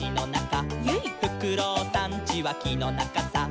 「フクロウさんちはきのなかさ」